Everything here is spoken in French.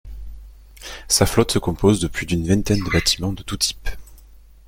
Sa flotte se compose de plus d'une vingtaine de bâtiments de tous types.